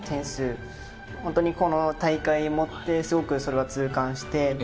ホントにこの大会をもってすごくそれは痛感して。